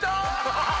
ハハハハ！